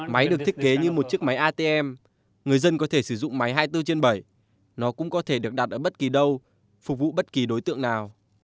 máy được thiết kế như một chiếc máy atm người dân có thể sử dụng máy hai mươi bốn trên bảy nó cũng có thể được đặt ở bất kỳ đâu phục vụ bất kỳ đối tượng nào